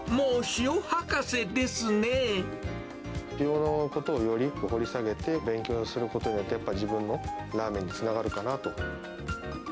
塩のことをより深く掘り下げて、勉強することが、やっぱ自分のラーメンにつながるかなと。